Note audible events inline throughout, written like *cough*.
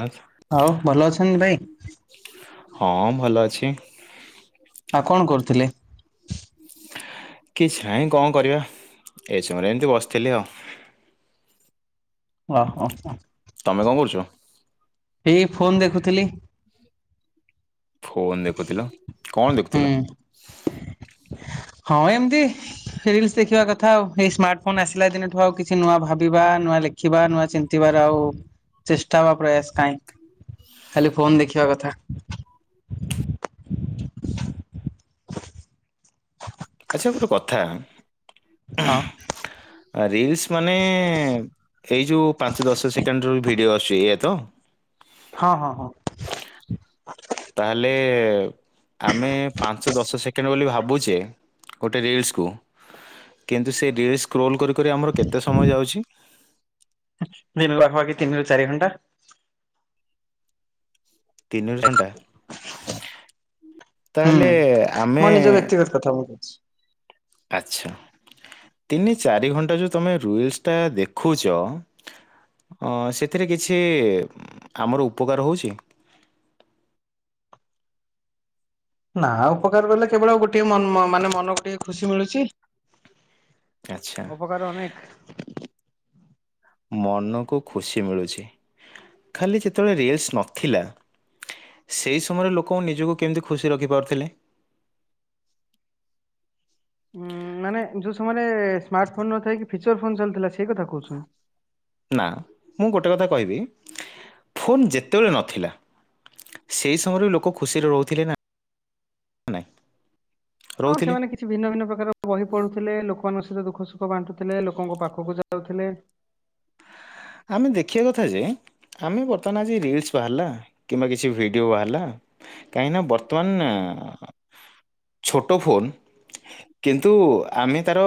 ଆଠ ହଉ ଭଲ ଅଛନ୍ତି ବାଇ? ହଁ, ଭଲ ଅଛି। ଆଉ କ'ଣ କରୁଥିଲେ? କିଛି ନାହିଁ ଙ୍କ କରିବା, ଏ ସମୟରେ ଏନ୍ତି ବସ୍‌ଥିଲି ଆଉ। *inaudible* ତମେ ଙ୍କ କରୁଚ? ଏ ଫୋନ୍ ଦେଖୁଥିଲି। ଫୋନ୍‌ ଦେଖୁଥିଲ, କ'ଣ ହୁଁ ଦେଖୁଥିଲ? ହଁ, ଏମ୍ତି। ରିଲ୍ସ ଦେଖିବା କଥା ଆଉ, ଏଇ ସ୍ମାର୍ଟ ଫୋନ୍‌ ଆସିଲା ଦିନଠୁ। ଆଉ କିଛି ନୂଆ ଭାବିବା ନୂଆ ଲେ ନୂଆ ଚିନ୍ତିିବାର ଆଉ ଚେଷ୍ଟା ବା ପ୍ରୟାସ୍‌ କାହିଁ। ଖାଲି ଫୋନ୍‌ ଦେଖିବା କଥା। *inaudible* ହଁ! ରିଲ୍ସ ମାନେ ଏଇ ଯଉ ପାଞ୍ଚ ଦଶ ସେକେଣ୍ଡ୍ ର ଭିଡ଼ିଓ ଆ--ଚି ଏଇଆ ତ। ହଁ ହଁ ହଁ। ତା'ହେଲେ ଆମେ ପାଞ୍ଚ ଦଶ ସେକେଣ୍ଡ୍ ବୋଲି ଭାବୁଚେ। ଗୋଟେ ରିଲ୍ସକୁ, କିନ୍ତୁ ସେ ରିଲ୍ସ ସେ ସ୍କ୍ରୋଲ୍ କରିି କରି ଆମର କେତେ ସମୟ ଯାଉଛି? *inaudible* ତିନି ଣ୍ଟା ହୁଁ ତା'ହେଲେ ମୋ ଆମେ *inaudible* ଆଚ୍ଛା, ତିନି ଚାରି ଘଣ୍ଟା ଯଉ ତମେ ରୁଇଲ୍ସ୍ ଟା ଦେଖୁଚ। ଅଁ, ସେଥିରେ କିଛି ଆମର ଉପକାର ହଉଚି। ନା ଆଉ ଉପକାର କଲେ କେବଳ ଆଉ ଗୋଟେ ମନ ମାନେ ମନକୁ ଟିକେ ଖୁସି ମିଳୁଛି। ଆଚ୍ଛା ଉପକାର ଅନେକ। ମନକୁ ଖୁସି ମିଳୁଛି ଖାଲି ଯେତେବେଳେ ରିଲ୍ସ୍ ନଥିଲା ସେହି ସମୟରେ ଲୋକ ନିଜକୁ କେମିତି ଖୁସି ରଖିପାରୁଥିଲେ। ଉଁ ମାନେ ଯୋଉ ସମୟରେ ସ୍ମାର୍ଟ ଫୋନ ନଥାାଇ କି ଫିଚର ଫୋନ୍ ଚାଲିଥିଲା ସେଇ କଥା କହୁଛୁ। ନା ମୁଁ ଗୋଟେ କଥା କହିବି ଫୋନ୍ ଯେତେବେଳେ ନଥିଲା। ସେହି ସମୟରେ ଲୋକ ଖୁସିରେ ରହୁଥିଲେ ନ ନାଇ। ହଁ ସେମାନେ କି କି ଭିନ୍ନ ଭିନ୍ନ ପ୍ରକାର ବହି ପଢ଼ୁଥିଲେ ଲୋକମାନଙ୍କ ସହିତ ଦୁଃଖ ସୁଖ ବାଣ୍ଟୁଥିଲେ ଲୋକଙ୍କ ପାଖକୁ ଯାଉଥିଲେ। ଆମେ ଦେଖିବା କଥା ଯେ। ଆମେ ବର୍ତ୍ତମାନ ଆଜି ରିଲସ ବାହାରିଲା କିମ୍ବା କିଛି ଭିଡିଓ ବାହାରିଲା। କାହିଁ ନା ବର୍ତ୍ତମାନ ଛୋଟ ଫୋନ କିନ୍ତୁ ଆମେ ତାର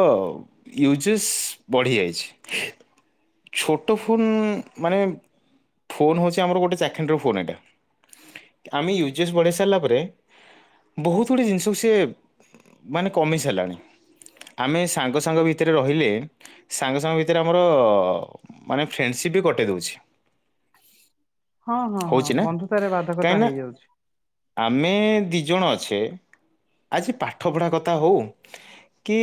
ୟୁଜେଜ ବଢି ଯାଇଛି। ଛୋ ତ ଫୋନ ମାନେ ଫୋନ ହଉଚି ଆମର ଗୋଟେ ଚାଖେଣ୍ଡର ଫୋନ ଏଇଟା। ଆମେ ୟୁଜଏସ୍ ବଢେଇ ସାରିଲା ପରେ। ବହୁତ ଗୁଡ଼ିଏ ଜିନିଷକୁ ସି ମାନେ କମି ସାରିଲାଣି ଆମେ ସାଙ୍ଗସଙ୍ଗ ଭିତରେ ରହିଲେ ସାଙ୍ଗସଙ୍ଗ ଭିତରେ ଆମର ମାନେ ଫ୍ରେଣ୍ଡସିପ୍ ବି କଟେଇ ଦେଉଛି ହଁ ହଁ ହଁ ହଉଛି ନା ବନ୍ଧୁତାରେ କାହିଁକି ବାଧକତା ନା ହେଇଯାଉଛି। ଆମେ ଦି ଜଣ ଅଛେ ଆଜି ପାଠ ପଢା କଥା ହଉ କି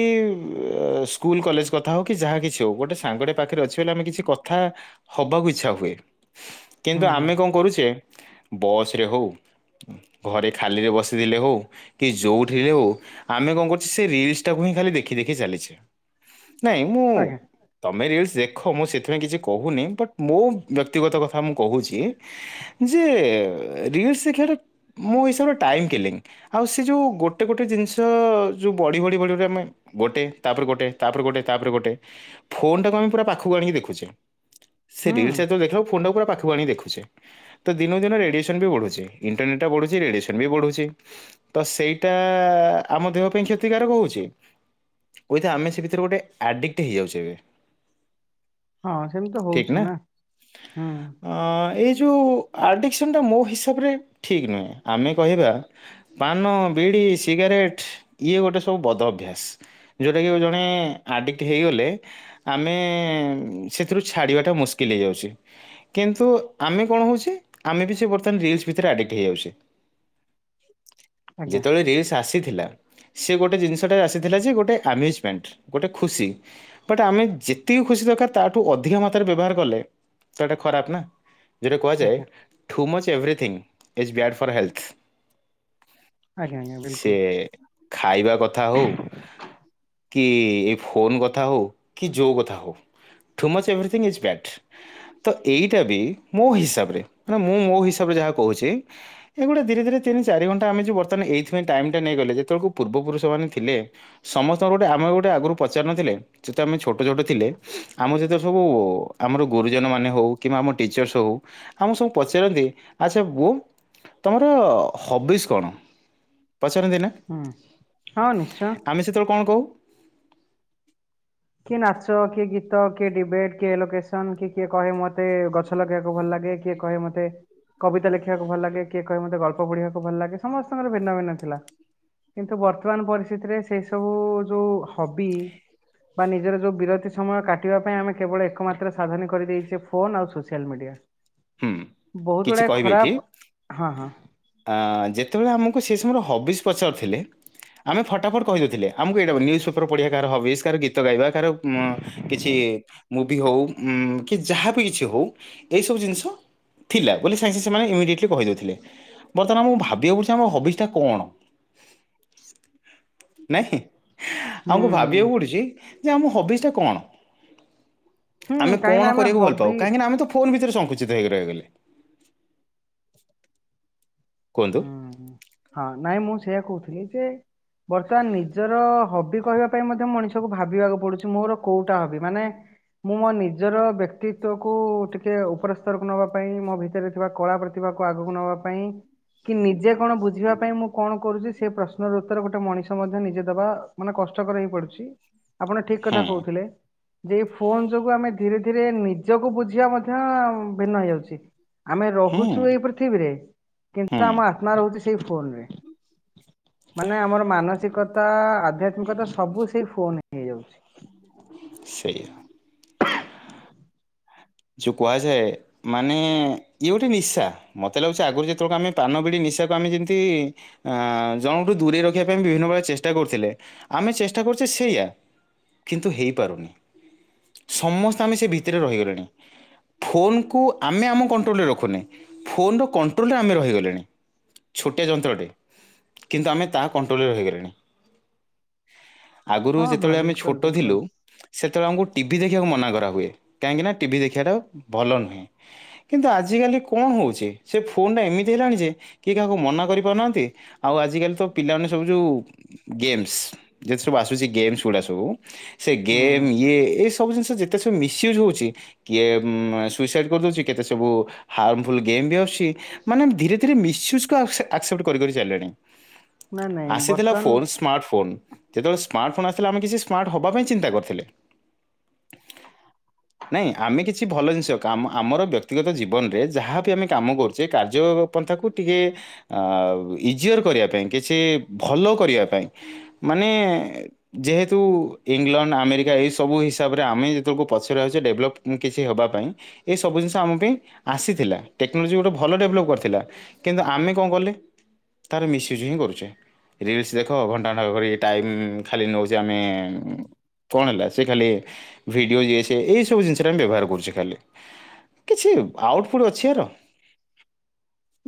ସ୍କୁଲ କଲେଜ କଥା ହଉ କି ଯାହା କିଛି ହଉ ଗୋଟେ ସାଙ୍ଗ ପାଖରେ ଅଛି। ତାହେଲେ ଆମେ କିଛି କଥା ହବାକୁ ଇଚ୍ଛା ହୁଏ ହୁଁ କିନ୍ତୁ ହୁଁ ଆମେ କଣ କରୁଛେ। ବସରେ ହଉ ଘରେ ଖାଲିରେ ବସିଥିଲେ ହଉ କି ଯୋଉଠିରେ ହଉ ଆମେ କଣ କରୁଛେ ସେ ରିଲସ ଟାକୁ ହିଁ ଖାଲି ଦେଖି ଦେଖି ଚାଲିଛେ ନାଇଁ ମୁଁ ଆଜ୍ଞା ତମେ ରିଲସ୍ ଦେ। ଦେଖ ମୁଁ ସେଥିପାଇଁ କିଛି କହୁନି ବଟ ମୁୋ ବ୍ୟକ୍ତିଗତ କଥା ମୁଁ କହୁଛି ଯେ ରିଲସ୍ ଦେଖିବା ମୁଁ ହିସାବରେ ଟାଇମ କିର୍ଲଲିଂ। ଆଉ ସେ ଯେଉଁ ଗୋଟେ ଗୋଟେ ଜିନିଷ ଯେଉଁ ବଢି ବଢ଼ି ବଢ ଆମେ ଗୋଟେ ତାପରେ ଗୋଟେ ତାପରେ ଗୋଟେ ତାପରେ ଗୋଟେ ଫୋନଟାକୁ ଆମେ ପୁରା ପା ପାଖକୁ ଆଣିକି ଦେଖୁଛ ସେ ରିଲସ୍ ହୁଁ। ଯେତେବେଳେ ଦେଖ ଫୋନ୍ ଟା ପୁରା ପାଖକୁ ଆଣିକି ଦେଖୁ ସେ ତ ଦିନକୁ ଦିନ ରେଡିଏସନ ବି ବଢୁଛି ଇଣ୍ଟରନେଟା ବଢୁଛି ରେଡିଏସନ ବି ବଢୁଛି। ତ ସେଇଟା ଆମ ଦେହ ପାଇଁ କ୍ଷତିକାରକ ହଉଛି। କ କହିଥାେ ଆମେ ସେ ଭିତରେ ଗୋଟେ ଆଡିକଟ ହେଇଯାଉଛେ ଏବେ ହଁ ସେମି ତ ହଉଛି ନା ହୁଁ ଏଇ ଯେଉଁ ଆଡ଼ିକସନ୍ଟା ମୋ ହିସାବରେ ଠିକ୍ ନୁହେଁ ଆମେ କହିବା ପାନ, ବିଡ଼ି, ସିଗାରେଟ୍ ଇଏ ଗୋଟେ ସବୁ ବଦ ଅଭ୍ୟାସ। ଯେଉଁଟାକି ଜଣେ ଆଡ଼ିକ୍ଟ ହେଇଗଲେ ଆମେ ସେଥିରୁ ଛାଡିବା ଟା ମୁସ୍କିଲ ହେଇଯାଉଛି। କିନ୍ତୁ ଆମେ କଣ ହଉଛ ଆମେ ବି ସେ ବର୍ତ୍ତମାନ ରିଲସ ଭିତରେ ଆଡିକଟ ହେଇଯାଉଛିେ ଆଜ୍ଞା ଯେତେବେଳେ ରିଲ୍ସ ଆସିଥିଲା ସେ ଗୋଟେ ଜିନିଷଟା ଆସିଥିଲା ଯେ ଗୋଟେ ଆମ୍ୟୁଜମେଣ୍ଟ ଗୋଟେ ଖୁସି ବଟ୍ ଆମେ ଯେ ଏତିକ ଖୁସି ଦରକାର ତାଠୁ ଅଧିକ ମାତ୍ରାରେ ବ୍ୟବହାର କଲେ ତ ଏଇଟା ଖରାପ ନା ଯଉଟା କୁହାଯାଏ ଆଜ୍ଞା too much everything is bad for health. ଆଜ୍ଞା ଆଜ୍ଞା ସେ। ବିଲକୁଲ। ଖାଇବା କଥା ହଉ କି ଏଇ ଫୋନ କଥା ହଉ କି ଯୋଉ କଥା ହଉ too much everything is bad. ତ ଏଇଟା ବି ମୋ ହିସାବରେ ମାନେ ମୁଁ ମୋ ହିସାବରେ ଯାହା କହୁଛି ଏଗୁଡ଼ା ଧୀରେଧୀରେ ତିନି ଚାରି ଘଣ୍ଟା ଆମେ ଯେଉଁ ବର୍ତ୍ତମାନ ଏଇଥି ପାଇଁ ଟାଇମ୍ ଟା ନେଇଗଲେ ଯେତେବେଳକୁ ପୂର୍ବପୁରୁଷମାନେ ଥିଲେ। ସମସ୍ତଙ୍କର ଗୋଟେ ଆମର ଗୋଟେ ଆଗରୁ ପଚାରିନଥିଲେ ଯେତେ ଆମେ ଛୋଟ ଛୋଟ ଥିଲେ। ଆମ ଯେତବେଳେ ସବୁ ଆମର ଗୁରୁଜନ ମାନେ ହଉ କିମ୍ବା ଆମ ଟିଚର୍ସ ହଉ। ଆଉ ମୁଁ ସବୁ ପଚାରନ୍ତି ଆଚ୍ଛା ପୁଅ ତମର ହବିସ୍ କଣ? ପଚରନ୍ତି ନା? ହୁଁ ହଁ ନିଶ୍ଚୟ। ଆମେ ସେତେବେଳେ କଣ କହୁ? କିଏ ନାଚ କିଏ ଗୀତ କିଏ ଡିବେଟ୍ କିଏ ଲୋକେସନ କି କିଏ କହେ ମତେ ଗଛ ଗଛ ଲଗେଇକୁ ଭଲ ଲାଗେ କିଏ କହେ ମତେ କବିତା ଲେଖିବାକୁ ଭଲ ଲାଗେ କିଏ କହେ ମତେ ଗଳ୍ପ ପଢିବାକୁ ଭଲ ଲାଗେ ସମସ୍ତଙ୍କର ଭିନ୍ନ ଭିନ୍ନ ଥିଲା। କିନ୍ତୁ ବର୍ତ୍ତମାନ ପରିସ୍ଥିତିରେ ସେସବୁ ଯେଉଁ ହବି। ବା ନିଜର ଯୋଉ ବିରତି ସମୟ କାଟିବା ପାଇଁ ଆମେ କେବଳ ଏକମାତ୍ର ସାଧନ କରିଦେଇଛେ ଫୋନ ଆଉ ସୋସିଆଲ ମିଡିଆ। ହୁଁ ବହୁତ ଗୁଡାଏ ଖରାପ ହଁ ହଁ। ଆ ଯେତେବେଳେ ଆମକୁ ସେ ସମୟରେ ହବିଜ ପଚାରୁଥିଲେ। ଆମେ ଫଟାଫଟ କହିଦେଉଥିଲେ ଆମକୁ ଏଇଟା ନ୍ୟୁଜ୍ ପେପର ପଢ଼ିବା କାହାର ହବିଜ କାହାର ଗୀତ ଗାଇବା କା କିଛି ମୁଭି ହଉ ଉ କି ଯାହାବି କିଛି ହଉ ଏଇ ସବୁ ଜିନିଷ ଥିଲା ବୋଲି ସାଙ୍ଗସାଙ୍ଗେ ସେମାନେ ଇମିଡିଏଟଲି କହିଦଉଥିଲେ। ବର୍ତ୍ତମାନ ମୁକୁ ଭାବିବାକୁ ପଡୁଛି ଆମ ହବିଜଟା କଣ ନାଇଁ? ହୁଁ ଆମକୁ ହୁଁ ଭାବିବାକୁ ପଡ଼ୁଛି ଯେ ଆମ ହବିସ୍ ଟା କଣ? ହୁଁ ଆମେ କାହିଁକି କଣ ନା ଆମେ କରିବାକୁ ଭଲ ପାଉ ହବି କାହିଁକି ନା ଆମେ ତ ଫୋନ ଭିତରେ ସଙ୍କୁଚିତ ହେଇକି ରହିଗଲେ। କୁହନ୍ତୁ ହୁଁ ହଁ ନାଇଁ ମୁଁ ସେଇଆ କହୁଥିଲି ଯେ ବର୍ତ୍ତମାନ ନିଜର ହବି କହିବା ପାଇଁ ମଧ୍ୟ ମଣିଷକୁ ଭାବିବାକୁ ପଡୁଛି ମୋର କୋଉଟା ହବି ମାନେ ମୁଁ ମୋ ନିଜର ବ୍ୟକ୍ତିତକୁ ଟିକେ ଉପରସ୍ତରକୁ ନେବା ପାଇଁ ମୋ ଭିତରେ ଥିବା କଳା ପ୍ରତି ଆଗକୁ ନବା ପାଇଁ କି ନିଜେ କଣ ବୁଝିବା ପାଇଁ ମୁଁ କଣ କରୁଛି ସେ ପ୍ରଶ୍ନର ଉ ଥିରେ ଗୋଟେ ମଣିଷ ମଧ୍ୟ ନିଜେ ଦେବା ମାନେ କଷ୍ଟକର ହେଇ ପଡୁଛି ଆପଣ ଠିକ କଥା ହୁଁ କହୁଥିଲେ। ସେଇ ଫୋନ ଯୋଗୁ ଆମେ ଧୀରେ ଧୀରେ ନିଜକୁ ବୁଝିବା ମଧ୍ୟ ଭିନ୍ନ ହେଇଯାଉଛି ଆମେ ହୁଁ ରହୁଛୁ ଏଇ ପୃଥିବୀରେ ହୁଁ କିନ୍ତୁ ଆମ ଆତ୍ମା ରହୁଛି ସେଇ ଫୋନରେ। ମାନେ ଆମର ମାନସିକତା ଆଧ୍ୟାତ୍ମିକତା ସବୁ ସେଇ ଫୋନ ହି। ସେଇ। *inaudible* ଚୁ କୁହାଯାଏ ମାନେ ଇଏ ଗୋଟେ ନିଶା ମୋତେ ଲାଗୁଛି ଆଗରୁ ଯେତେବେଳକୁ ଆମେ ପାନ ବିଡ଼ି ନିଶାକୁ ଆମେ ଯେମିତି ଆ ଜଣକଠୁ ଦୂରେଇ ରଖିବା ପାଇଁ ବିଭିନ୍ନ ପ୍ରକାର ଚେଷ୍ଟା କରୁଥିଲେ ଆମେ ଚେଷ୍ଟା କରୁଛେ ସେଇୟା। କିନ୍ତୁ ହେଇପାରୁନି ସମସ୍ତେ ଆମେ ସେ ଭିତରେ ରହିଗଲେଣି। ଫୋନକୁ ଆମେ ଆମ କଣ୍ଟ୍ରୋଲରେ ରଖୁନେ। ଫୋନର କଣ୍ଟ୍ରୋଲରେ ଆମେ ରହିଗଲେଣି ଛୋଟିଆ ଯନ୍ତ୍ରଟେ କିନ୍ତୁ ଆମେ ତା କଟ୍ରୋଲରେ ରହିଗଲେଣି। ଆଗରୁ ହଁ ହଁ ଯେତେବେଳେ ଆମେ ବିଲକୁଲ ଛୋଟ ବିଲକୁଲ ଥିଲୁ। ସେତେବେଳେ ଆମକୁ ଟିଭିି ଦେଖିବାକୁ ମନା କରାହୁଏ କାହିଁକିନା ଟିଭି ଦେଖିବାଟା ଭଲ ନୁହେଁ। କିନ୍ତୁ ଆଜିକାଲି କଣ ହଉଛି ସେ ଫୋନ୍ ଟା ଏମିତି ହେଲାଣି ଯେ କିଏ କାହାକୁ ମନା କରିପାରୁନାହାଁନ୍ତି ଆଉ ଆଜିକାଲି ତ ପିଲାମାନେ ସବୁ ଯୋଉ ଗେମ୍ସ ଯେତେ ସବୁ ଆସୁଛି ଗେମ୍ସ ଗୁଡ଼ା ସବୁ। ସେ ହୁଁ ଗେମ୍ ଇଏ ଏ ସବୁ ଜିନିଷ ଯେତେ ସବୁ ମିସୟୁଜ୍ ହଉଛି। କିଏ ସୁଇସାଇଡ କରିଦଉଛି କେତେ ସବୁ ହାର୍ମଫୁଲ ଗେମ ବି ଆସୁଛି। ମାନେ ଧୀରେ ଧୀରେ ମିସୟୁଜକୁ ଆସେ ଆସେପ୍ଟ କରି କରି ଚାଲିଲେଣି ନାଇଁ ନାଇଁ ଆସିଥିଲା ବର୍ତ୍ତମାନ ଫୋନସ ସ୍ମାର୍ଟ ଫୋନ ଯେତେବେଳେ ସ୍ମାର୍ଟ ଫୋନ ଆସିଥିଲା ଆମେ କିଛି ସ୍ମାର୍ଟ ହବା ପାଇଁ ଚିନ୍ତା କରିଥିଲେ। ନାଇଁ। ଆମେ କିଛି ଭଲ ଜିନିଷ କାମ ଆମର ବ୍ୟକ୍ତିଗତ ଜୀବନରେ ଯାହାବି ଆମେ କାମ କରୁଛେ କାର୍ଯ୍ୟ ପନ୍ଥାକୁ ଟିକେ ଇଜିଅର କରିବା ପାଇଁ କିଛି ଭଲ କରିବା ପାଇଁ। ମାନେ ଯେହେତୁ ଇଂଲଣ୍ଡ ଆମେରିକା ଏଇସବୁ ହିସାବରେ ଆମେ ଯେତେବେଳକୁ ପଛରେ ଅଛେ ଡେଭଲପ୍ କିଛି ହବା ପାଇଁ ଏସବୁ ଜିନିଷ ଆମ ପାଇଁ ଆସିଥିଲା ଟେକ୍ନୋଲୋଜି ଗୋଟେ ଭଲ ଡେଭଲପ୍ କରିଥିଲା। କିନ୍ତୁ ଆମେ କଣ କଲେ ତାର ମିସୟୁଜ୍ ହିଁ କରୁଛେ। ରିଲ୍ସ ଦେଖ ଘଣ୍ଟା ଘଣ୍ଟା କରି ଟାଇମ୍ ଖାଲି ନଉଛେ ଆମେ କଣ ହେଲା ସେ ଖାଲି ଭିଡିଓ ଯିଏ ସେ ଏଇ ସବୁ ଜିନିଷ ସେଟା ଆମେ ବ୍ୟବହାର କରୁଛେ ଖାଲି କିଛି ଆଉଟ୍ପୁଟ୍ ଅଛି ଆର?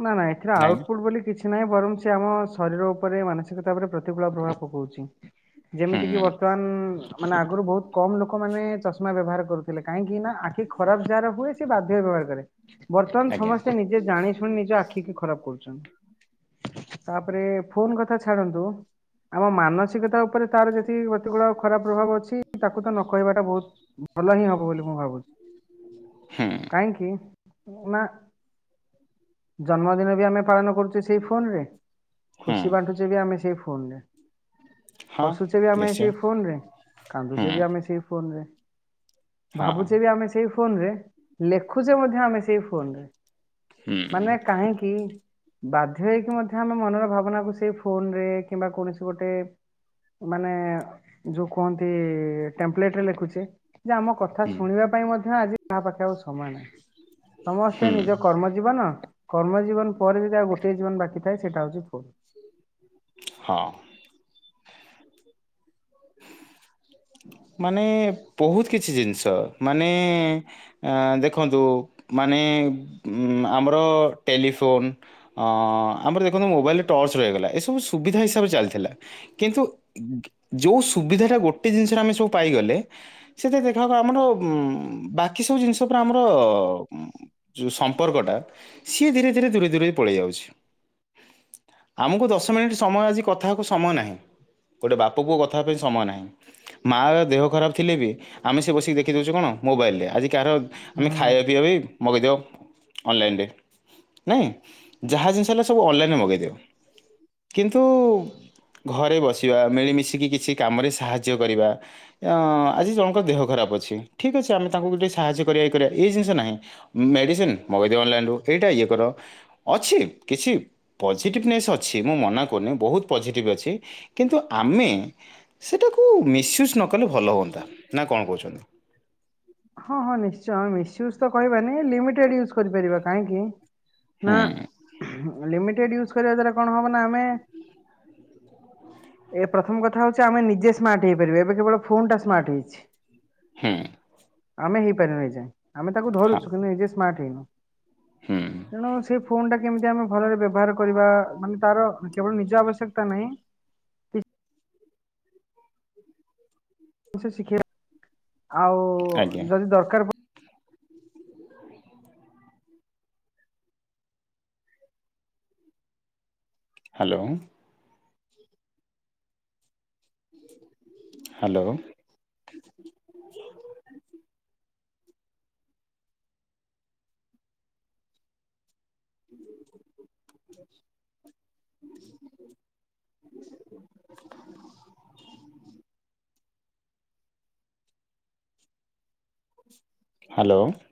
ନା ନା ଏଥିରେ ନାଇଁ ନା ଆଉଟପୁଟ୍ ବୋଲି କିଛି ନାହିଁ ବରଂ ସେ ଆମ ଶରୀର ଉପରେ ମାନସିକତା ଉପରେ ପ୍ରତିକୂଳ ପ୍ରଭାବ ପକଉଛି। ହୁଁ ଯେମିତି କିି ବର୍ତ୍ତମାନ ମାନେ ଆଗରୁ ବହୁତ କମ୍ ଲୋକମାନେ ଚଷମା ବ୍ୟବହାର କରୁଥିଲେ। କାହିଁକି, ନା ଆଖି ଖରାପ ଯାହର ହୁଏ ସେ ବାଧ୍ୟ ହୋଇ ବ୍ୟବହାର କରେ। ବର୍ତ୍ତମାନ ଆଜ୍ଞା ସମସ୍ତେ ନିଜେ ଜାଣି ଶୁଣି ନିଜ ଆଖିକୁ ଖରାପ କରୁଛନ୍ତି। ତାପରେ ଫୋନ କଥା ଛାଡନ୍ତୁ‌। ଆମ ମାନସିକତା ଉପରେ ତାର ଯେତିକି ପ୍ରତିକୂଳ ଖରାପ ପ୍ରଭାବ ଅଛି ତାକୁ ତ ନ କହିବାଟା ବହୁତ ଭଲ ହିଁ ହବ ବୋଲି ମୁଁ ଭାବୁଛି। ହୁଁ। କାହିଁକି ନା। ଜନ୍ମଦିନ ବି ଆମେ ପାଳନ କରୁଛେ ସେଇ ଫୋନରେ। ହୁଁ। ଖୁସି ବାଣ୍ଟୁଛେ ବି ଆମେ ସେଇ ଫୋନରେ। ହଁ ହସୁଛେ ବି ଆମେ ନିଶ୍ଚୟ ସେଇ ଫୋନ ରେ ହୁଁ କାନ୍ଦୁଛେ ବି ଆମେ ସେଇ ଫୋନ ରେ। ହଁ ଭାବୁଛେ ବି ଆମେ ସେଇ ଫୋନ ରେ ଲେଖୁଛେ ମଧ୍ୟ ଆମେ ସେଇ ଫୋନରେ। ହୁଁ ମାନେ କାହିଁକି଼ ବାଧ୍ୟ ହେଇକି ମଧ୍ୟ ଆମ ମନର ଭାବନାକୁ ସେଇ ଫୋନରେ କିମ୍ବା କୌଣସି ଗୋଟେ ମାନେ ଯୋଉ କୁହନ୍ତି ଟେମ୍ପଲେଟ ରେ ଲେଖୁଛେ ଯେ ଆମ କଥା ହୁଁ ଶୁଣିବା ପାଇଁ ମଧ୍ୟ ଆଜି କାହା ପାଖେ ଆଉ ସମୟ ନାହିଁ ସମସ୍ତେ ହୁଁ ନିଜ କର୍ମ ଜୀବନ କର୍ମ ଜୀବନ ପରେ ଯଦି ଆଉ ଗୋଟଏ ଜୀବନ ବାକି ଥାଏ ସେଇଟା ହଉଛି ଫୋନ। ହଁ। ମାନେ ବହୁତ କିଛି ଜିନିଷ ମାନେ ଏ ଦେଖନ୍ତୁ ମାନେ ଆମର ଟେଲିଫୋନ ଅଁ ଆମର ଦେଖନ୍ତୁ ମୋବାଇଲରେ ଟର୍ଚ୍ଚ ରହିଗଲା ଏସବୁ ସୁବିଧା ହିସାବରେ ଚାଲିଥିଲା। କିନ୍ତୁ ଯୋଉ ସୁବିଧାଟା ଗୋଟେ ଜିନିଷରେ ଆମେ ସବୁ ପାଇଗଲେ। ସେଥିରେ ଦେଖାହେବ ଆମର ଉଁ ବାକି ସବୁ ଜିନିଷ ଉପରେ ଆମର ଯଉ ସମ୍ପର୍କଟା ସିଏ ଧୀରେ ଧୀରେ ଦୂରେଇ ଦୂରେଇ ପଳେଇ ଯାଉଛି। ଆମକୁ ଦଶ ମିନିଟ ସମୟ ଆଜି କଥା ହେବାକୁ ସମୟ ନାହିଁ ଗୋଟେ ବା ପକୁ କଥା ପାଇଁ ସମୟ ନାହିଁ। ମା ଦେହ ଖରାପ ଥିଲେ ବି ଆମେ ସେ ବସିକି ଦେଖିଦଉଚେ କଣ ମୋବାଇଲରେ। କାହାର ଆମେ ହୁଁ ଖାଇବା ପିଇବା ବି ମଗାଇଦିଅ ଅନଲାଇନରେ। ନାଇଁ ଯାହା ଜିନିଷ ହେଲା ସବୁ ଅନଲାଇନରେ ମଗେଇଦିଅ। କିନ୍ତୁ ଘରେ ବସିବା ମିଳି ମିଶିକି କିଛି କାମରେ ସାହାଯ୍ୟ କରିବା। ଆଜି ଜଣଙ୍କ ଦେହ ଖରାପ ଅଛି। ଠିକ୍ ଅଛି ଆମେ ତାଙ୍କୁକୁ ଟିକେ ସାହାଯ୍ୟ କରିବା ଇଏ କରିବା ଏଇ ଜିନିଷ ନାହିଁ। ମେଡିସିନ ମଗେଇଦିଅ ଅନଲାଇନ ରୁ ଏଇଟା ଇଏ କର ଅଛି କିଛି। ପଜିଟିଭନେସ୍ ଅଛି ମୁଁ ମନା କରୁନି ବହୁତ ପଜିଟିଭ୍ ଅଛି କିନ୍ତୁ ଆମେ। ସେଟାକୁ ମିସୟୁଜ୍ ନ କଲେ ଭଲ ହୁଅନ୍ତା ନା କଣ କହୁଛନ୍ତି? ହଁ ହଁ ନିଶ୍ଚୟ ଆମେ ମିସୟୁଜ୍ ତ କହିବାନି ଲିମିଟେଡ ୟୁଜ୍ କରିପାରିବା କାହିଁକି? ନା ହୁଁ ଲିମିଟେଡ ୟୁଜ କରିବା ଦ୍ଵାରା କଣ ହବ ନା ଆମେ ଏ ପ୍ରଥମ କଥା ହଉଛି ଆମେ ନିଜେ ସ୍ମାର୍ଟ ହେଇପାରିବା ଏବେ କେବଳ ଫୋନ୍ ଟା ସ୍ମାର୍ଟ ହେଇଛି। ହୁଁ। ଆମେ ହେଇପାରିନୁ ଏଯାଏ ଆମେ ତାକୁ ହଁ ଧରୁଛୁ କିନ୍ତୁ ଏ ସ୍ମାର୍ଟ ହେଇନୁ। ହୁଁ। ତେଣୁ ସେ ଫୋନ ଟା କେମିତି ଆମେ ଭଲରେ ବ୍ୟବହାର କରିବା ମାନେ ତାର କେବଳ ନିଜ ଆବଶ୍ୟକତା ନାହିଁ। କିଛି ସେ ଶିଖେଇଲା ଆଉ ଆଜ୍ଞା ଯଦି ଦରକାର ହାଲୋ। ହ୍ୟାଲୋ! *unintelligible* *inaudible* ହ୍ୟାଲୋ।